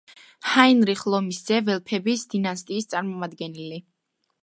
ჰაინრიხ ლომის ძე, ველფების დინასტიის წარმომადგენელი.